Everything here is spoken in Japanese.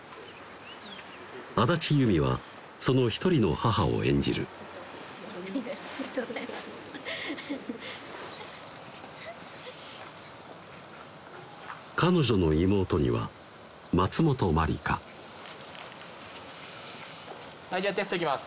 安達祐実はその一人の母を演じる彼女の妹には松本まりかはいじゃあテストいきます